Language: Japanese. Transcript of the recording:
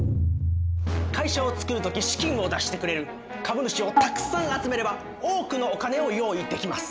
会社をつくる時資金を出してくれる株主をたくさん集めれば多くのお金を用意できます。